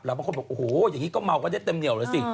บางคนบอกโอ้โหอย่างนี้ก็เมากันได้เต็มเหนียวเลยสิ